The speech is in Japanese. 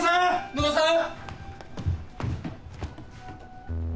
野田さん！